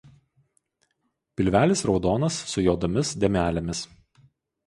Pilvelis raudonas su juodomis dėmelėmis.